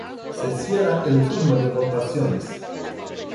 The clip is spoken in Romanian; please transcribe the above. Se cierra el turno de votaciones.